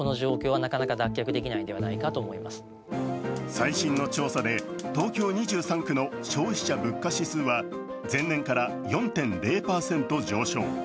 最新の調査で東京２３区の消費者物価指数は前年から４．０％上昇。